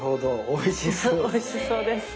おいしそうですね。